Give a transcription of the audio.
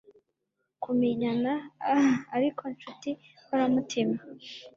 kumenyana! ah, ariko nshuti nkoramutima